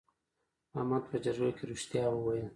احمد په جرګه کې رښتیا وویل.